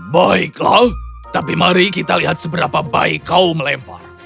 baiklah tapi mari kita lihat seberapa baik kau melempar